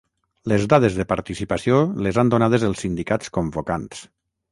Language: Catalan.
Les dades de participació les han donades els sindicats convocants